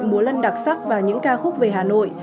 múa lân đặc sắc và những ca khúc về hà nội